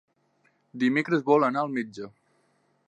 Dimecres vol anar al metge.